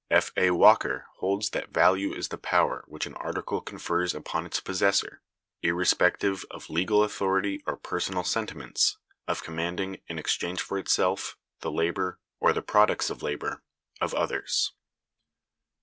F. A. Walker(191) holds that "value is the power which an article confers upon its possessor, irrespective of legal authority or personal sentiments, of commanding, in exchange for itself, the labor, or the products of the labor, of others."